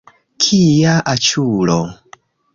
Kia aĉulo!